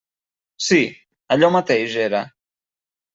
Sí; allò mateix era.